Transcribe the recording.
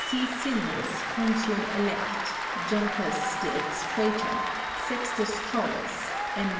Silius consul elect, Juncus the ex praetor, Sextus Traulus, M.